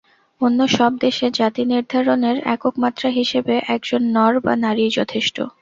অন্য সব দেশে জাতিনির্ধারণের একক মাত্রা হিসাবে একজন নর বা নারীই যথেষ্ট।